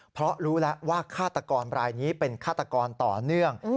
เพราะรู้แล้วว่าฆาตกรรายนี้เป็นฆาตกรต่อเนื่อง